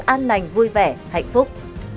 hai nghìn hai mươi bốn an lành vui vẻ hạnh phúc